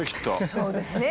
そうですね。